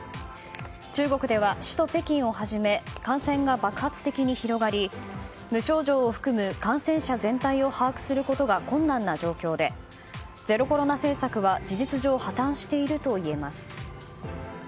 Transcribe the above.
中国では首都・北京をはじめ感染が爆発的に広がり無症状を含む感染者全体を把握することが困難な状況でゼロコロナ政策は事実上破たんしているといえます。